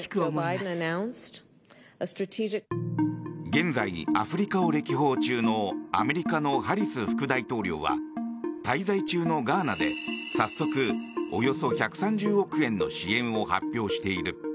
現在、アフリカを歴訪中のアメリカのハリス副大統領は滞在中のガーナで早速、およそ１３０億円の支援を発表している。